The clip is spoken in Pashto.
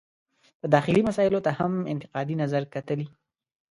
د داخلي مسایلو ته هم انتقادي نظر کتلي.